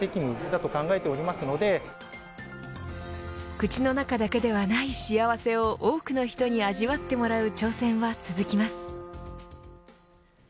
口の中ではない幸せを多くの人に味わってもらう挑戦は続きます。